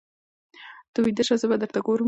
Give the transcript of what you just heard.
ته ویده شه زه به درته ګورم.